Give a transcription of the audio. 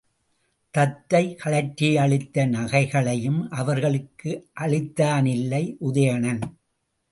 தத்தை கழற்றியளித்த நகைகளையும் அவர்களுக்கு அளித்தானில்லை உதயணன்.